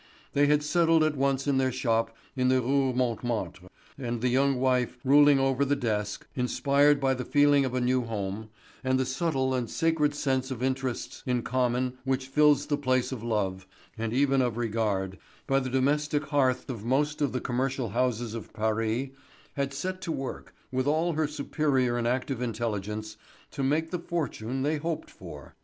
They had settled at once in their shop in the Rue Montmartre; and the young wife, ruling over the desk, inspired by the feeling of a new home, and the subtle and sacred sense of interests in common which fills the place of love, and even of regard, by the domestic hearth of most of the commercial houses of Paris, had set to work, with all her superior and active intelligence, to make the fortune they hoped for.